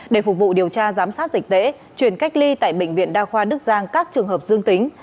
để phục vụ điều tra giám sát dịch tễ chuyển cách ly tại bệnh viện đa khoa đức giang các trường hợp dương tính